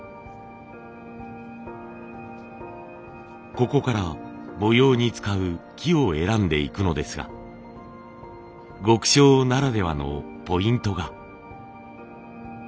ここから模様に使う木を選んでいくのですが極小ならではのポイントが。